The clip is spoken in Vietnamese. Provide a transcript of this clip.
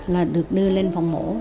là được đưa lên phòng mổ